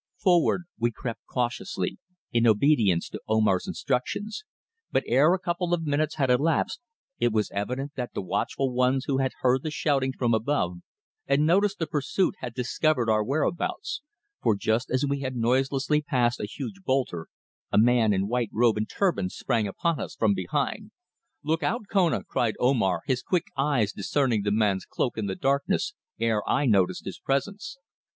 Forward we crept cautiously, in obedience to Omar's instructions, but ere a couple of minutes had elapsed it was evident that the watchful ones who had heard the shouting from above and noticed the pursuit had discovered our whereabouts, for just as we had noiselessly passed a huge boulder, a man in white robe and turban sprang upon us from behind. "Look out, Kona!" cried Omar, his quick eyes discerning the man's cloak in the darkness ere I noticed his presence.